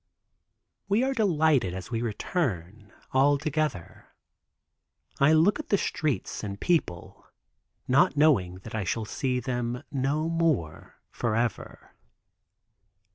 We are delighted as we return, all together. I look at the streets and people, not knowing I shall see them no more forever.